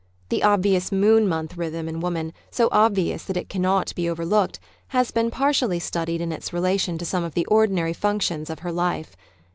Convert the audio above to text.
The obvious moon month rhythm in woman, so obvious that it cannot be overlooked, has been par tially studied in its relation to some of the ordinary functions of her life.